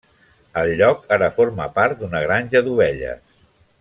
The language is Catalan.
El lloc ara forma part d'una granja d'ovelles.